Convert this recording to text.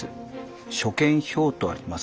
「所見表」とあります。